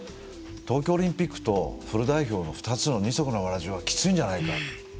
東京オリンピックとフル代表の２つの二足のわらじはきついんじゃないかって。